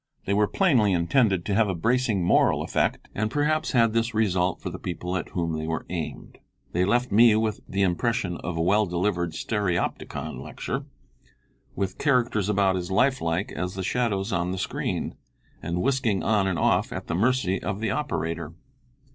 They were plainly intended to have a bracing moral effect, and perhaps had this result for the people at whom they were aimed. They left with me the impression of a well delivered stereopticon lecture, with characters about as life like as the shadows on the screen, and whisking on and off, at the mercy of the operator.